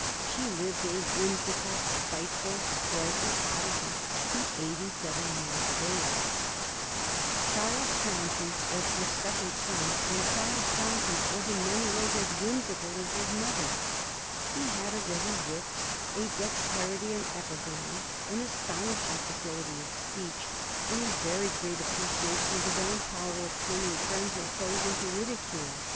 She lived, a whimsical, spiteful, sprightly oddity, to be eighty seven years of age. [Sidenote: 1766 Peculiar characteristics of Charles Townshend] Charles Townshend was her second son, and Charles Townshend was in many ways as whimsical as his mother. He had a ready wit, a dexterity in epigram, an astonishing facility of speech, and a very great appreciation of his own power of turning friends or foes into ridicule.